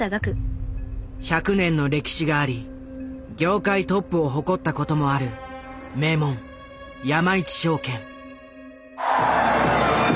１００年の歴史があり業界トップを誇ったこともある名門山一証券。